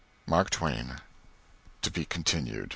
MARK TWAIN. (_To be Continued.